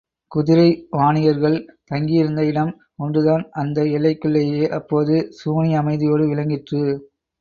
குதிரை வாணிகர்கள் தங்கியிருந்த இடம் ஒன்றுதான் அந்த எல்லைக்குள்ளேயே அப்போது சூனிய அமைதியோடு விளங்கிற்று.